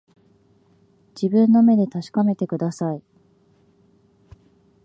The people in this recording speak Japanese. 自分の目で確かめてください